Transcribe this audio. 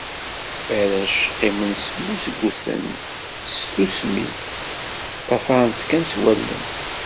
Arrac, qqimen smuzguten s tsusmi, ṭṭafaren-tt kan s wallen.